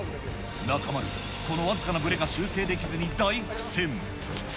中丸、この僅かなぶれが修正できずに大苦戦。